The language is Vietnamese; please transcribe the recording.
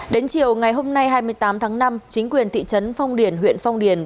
đến chiều ngày hôm nay hai mươi tám tháng năm chính quyền thị trấn phong điền huyện phong điền